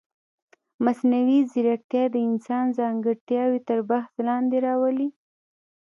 مصنوعي ځیرکتیا د انسان ځانګړتیاوې تر بحث لاندې راولي.